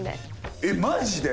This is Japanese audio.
えっマジで？